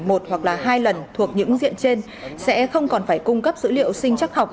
một hoặc là hai lần thuộc những diện trên sẽ không còn phải cung cấp dữ liệu sinh chắc học